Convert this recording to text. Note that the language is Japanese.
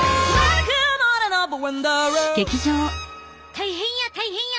大変や大変や！